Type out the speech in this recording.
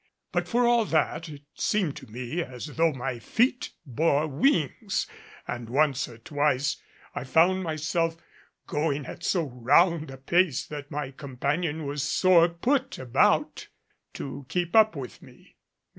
But for all that, it seemed to me as though my feet bore wings and once or twice I found myself going at so round a pace that my companion was sore put about to keep up with me.